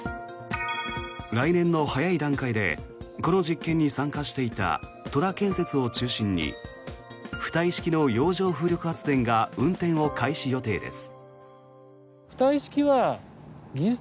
来年の早い段階でこの実験に参加していた戸田建設を中心に浮体式の洋上風力発電が運転を開始予定です。